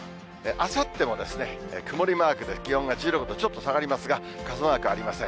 あさっても曇りマークで気温が１６度、ちょっと下がりますが、傘マークありません。